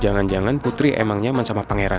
jangan jangan putri emang nyaman sama pangeran